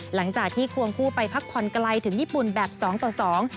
หลังจากที่ควงคู่ไปพักผ่อนไกลถึงญี่ปุ่นแบบสองต่อสอง